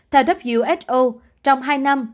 theo who trong hai năm